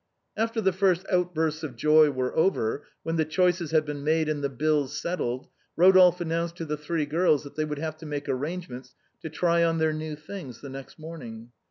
After the first outbursts of joy were over, when the choices had been made and the bills settled, Eodolphe an nounced to the three girls that they would have to make arrangements to try on their new things the next morning.